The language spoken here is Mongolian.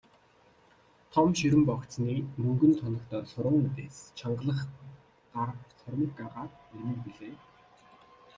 Том ширэн богцны мөнгөн тоногтой суран үдээс чангалах гар сурмаг агаад эрмэг билээ.